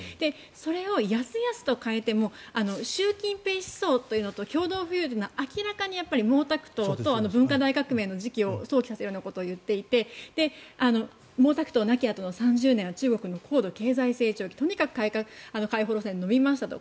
それをやすやすと変えて習近平思想というのと共同富裕は明らかに毛沢東と文化大革命の時期を想起させることを言っていて毛沢東亡き後の３０年は中国の高度経済成長期とにかく開放路線で伸びましたと。